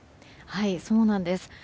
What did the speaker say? そうなんです。